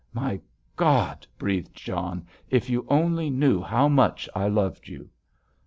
"My God!" breathed John; "if you only knew how much I loved you!"